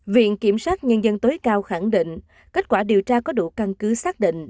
viện kiểm sát nhân dân tối cao khẳng định kết quả điều tra có đủ căn cứ xác định